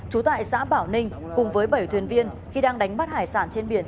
trú tại xã bảo ninh cùng với bảy thuyền viên khi đang đánh bắt hải sản trên biển